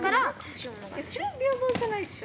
それは平等じゃないでしょ？